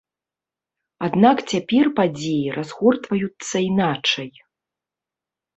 Аднак цяпер падзеі разгортваюцца іначай.